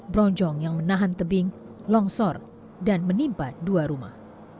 bronjong yang menahan tebing longsor dan menimpa dua rumah